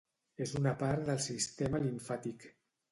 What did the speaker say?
És una part del sistema limfàtic.